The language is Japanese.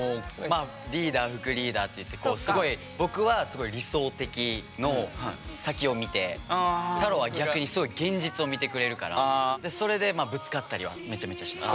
まあリーダー副リーダーっていってこうすごい僕はすごい理想的の先を見てタローは逆にすごい現実を見てくれるからそれでぶつかったりはめちゃめちゃします。